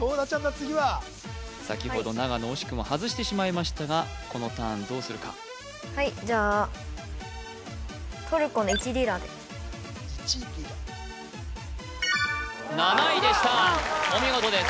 次は先ほど長野惜しくも外してしまいましたがこのターンどうするかはいじゃトルコの１リラ７位でしたお見事です